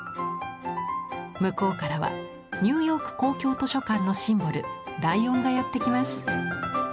向こうからはニューヨーク公共図書館のシンボルライオンがやって来ます。